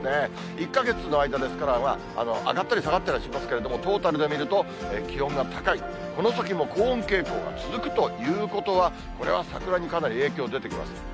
１か月の間ですから、上がったり下がったりしますけど、トータルで見ると気温が高い、この先も高温傾向が続くということは、これは桜にかなり影響出てきます。